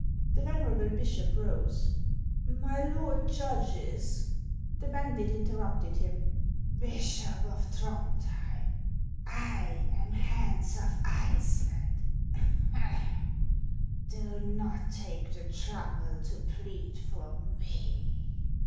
The venerable bishop rose :" My lord judges —" 478 HANS OF ICELAND. The bandit interrupted him :" Bishop of Throndhjem, I am Hans of Iceland do not take the trouble to plead for me."